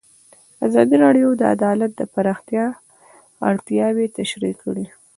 ازادي راډیو د عدالت د پراختیا اړتیاوې تشریح کړي.